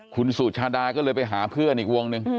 คุณสุชาดาก็เลยไปหาเพื่อนอีกวงหนึ่ง